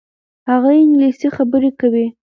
هغه انګلیسي خبرې کوي.